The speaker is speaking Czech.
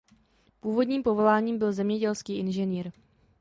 Původním povoláním byl zemědělský inženýr.